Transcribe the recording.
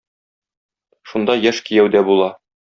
Шунда яшь кияү дә була.